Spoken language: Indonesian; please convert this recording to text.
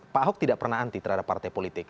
pak ahok tidak pernah anti terhadap partai politik